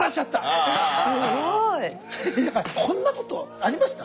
すごい。こんなことありました？